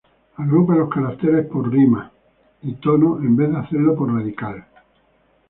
Agrupa los caracteres por rima y tono en vez de hacerlo por radical.